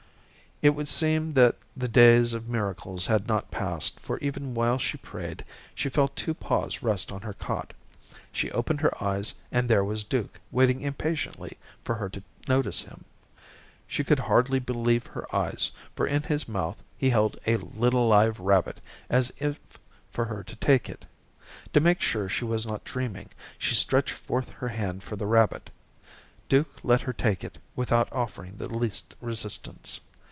It would seem that the days of miracles had not passed; for even while she prayed, she felt two paws rest on her cot. She opened her eyes and there was Duke waiting impatiently for her to notice him. She could hardly believe her eyes, for in his mouth he held a little live rabbit as if for her to take it. To make sure she was not dreaming, she stretched forth her hand for the rabbit. Duke let her take it without offering the least resistance.